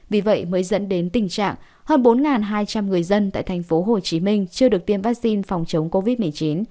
vì vậy mới dẫn đến tình trạng hơn bốn hai trăm linh người dân tại thành phố hồ chí minh chưa được tiêm vaccine phòng chống covid một mươi chín